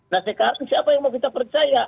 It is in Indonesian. nah sekarang siapa yang mau kita percaya